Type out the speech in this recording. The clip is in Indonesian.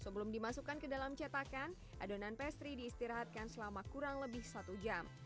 sebelum dimasukkan ke dalam cetakan adonan pastry diistirahatkan selama kurang lebih satu jam